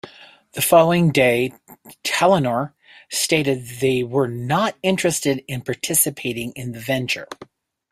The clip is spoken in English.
The following day Telenor stated they were not interested in participating in the venture.